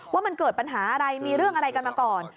ว่ามันเกิดปัญหาอะไรมีเรื่องอะไรกันมาก่อน